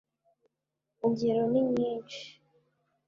Ingero ni nyinshi